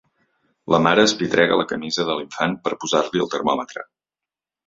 La mare espitrega la camisa de l'infant per posar-li el termòmetre.